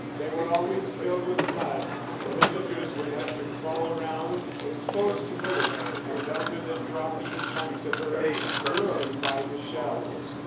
They were always filled with mud; the visitors would have to crawl around exposed to bullets and under the dropping chunks of earth loosened by the shells.